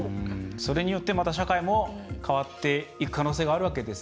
それによってまた社会も変わっていく可能性があるわけですね。